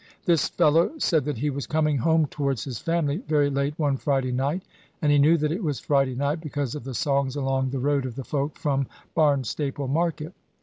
This fellow said that he was coming home towards his family, very late one Friday night; and he knew that it was Friday night because of the songs along the road of the folk from Barnstaple market.